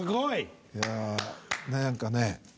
いやねえ何かね。